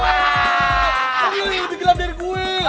lebih gelap dari gue